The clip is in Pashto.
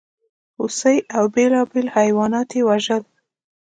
هوسۍ او بېلابېل حیوانات یې وژل.